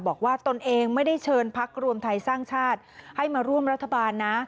ตนเองไม่ได้เชิญพักรวมไทยสร้างชาติให้มาร่วมรัฐบาลนะ